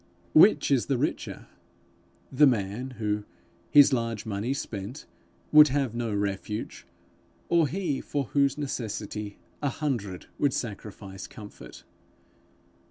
Which is the richer the man who, his large money spent, would have no refuge; or he for whose necessity a hundred would sacrifice comfort?